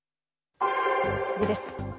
次です。